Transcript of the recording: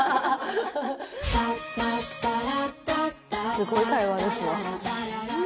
すごい会話ですわ。